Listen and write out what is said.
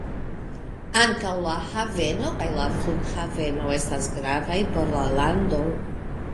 Ankaŭ la haveno kaj la flughaveno estas gravaj por la lando.